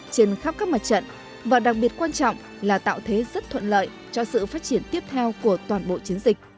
trên khắp các mặt trận và đặc biệt quan trọng là tạo thế rất thuận lợi cho sự phát triển tiếp theo của toàn bộ chiến dịch